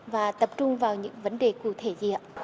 và tập trung vào những vấn đề cụ thể gì ạ